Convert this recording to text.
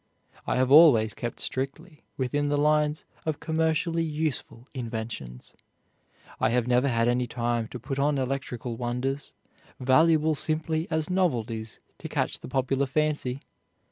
I have always kept strictly within the lines of commercially useful inventions. I have never had any time to put on electrical wonders, valuable simply as novelties to catch the popular fancy.